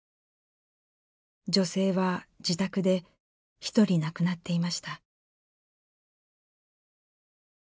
女性は自宅で一人亡くなっていました。